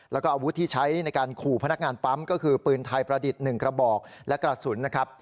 แล้วก็อาวุธที่ใช้ในการขู่พนักงานปั๊มก็คือปืนไทยประดิษฐ์๑กระบอกและกระสุนนะครับ